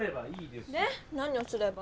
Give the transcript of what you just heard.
で何をすれば？